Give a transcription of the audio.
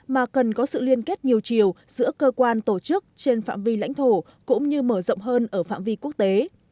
mà cần có sự liên kết nhiều chiều giữa cơ quan tổ chức trên phạm vi lãnh thổ cũng như mở rộng hơn ở phạm vi quốc tế